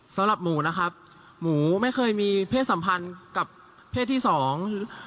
สำหรับหมูนะครับหมูไม่เคยมีเพศสัมพันธ์กับเพศที่สอง